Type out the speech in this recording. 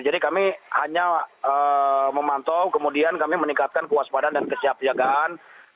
jadi kami hanya memantau kemudian kami meningkatkan kewaspadaan dan kesiap jagaan